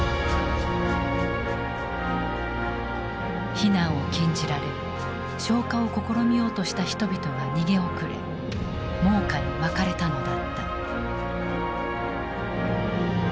避難を禁じられ消火を試みようとした人々が逃げ遅れ猛火にまかれたのだった。